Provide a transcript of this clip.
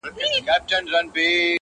زر کلونه څه مستی څه خمار یووړل!